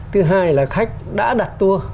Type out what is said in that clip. thứ hai là khách đã đặt tua